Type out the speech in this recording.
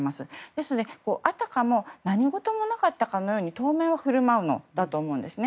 ですので、あたかも何事もなかったかのように当面は振る舞うんだと思うんですね。